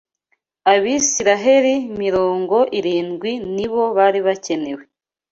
Abisiraheli mirongo irindwi nibo bri bakenewe